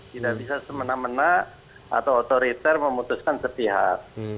tidak bisa semena mena atau otoriter memutuskan setiap